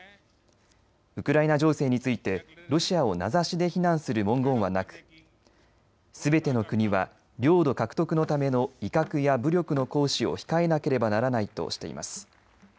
ウクライナ情勢についてロシアを名指しで非難する文言はなくすべての国は領土獲得のための威嚇や武力の行使を控えなければならないとしています。